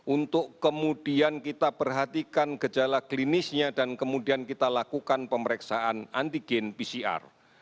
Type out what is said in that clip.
untuk kemudian kita perhatikan gejala klinisnya dan kemudian kita lakukan pemeriksaan antigen pcr